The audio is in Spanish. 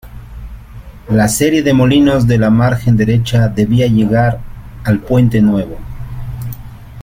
La serie de molinos de la margen derecha debía llegar al puente nuevo.